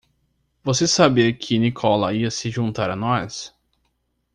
Você sabia que Nikola ia se juntar a nós?